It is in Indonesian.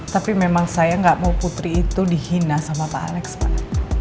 tapi memang saya nggak mau putri itu dihina sama pak alex pak